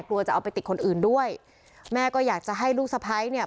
กลัวจะเอาไปติดคนอื่นด้วยแม่ก็อยากจะให้ลูกสะพ้ายเนี่ย